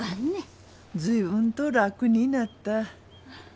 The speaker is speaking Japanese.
随分と楽になった。